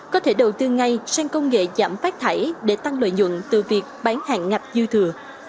có thể đầu tư ngay sang công nghệ giảm phát thải để tăng lợi nhuận từ việc bán hàng ngạch dư thừa